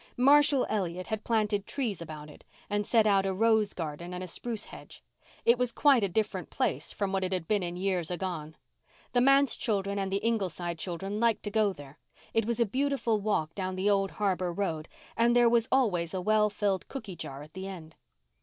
Marshall Elliott had planted trees about it and set out a rose garden and a spruce hedge. It was quite a different place from what it had been in years agone. The manse children and the Ingleside children liked to go there. It was a beautiful walk down the old harbour road, and there was always a well filled cooky jar at the end.